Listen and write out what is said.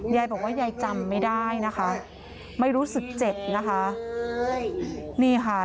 ยายบอกว่ายายจำไม่ได้นะคะไม่รู้สึกเจ็บนะคะนี่ค่ะ